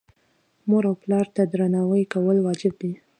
مور او پلار ته درناوی کول واجب دي.